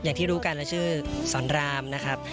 อย่างที่รู้กันและชื่อสอนรามนะครับ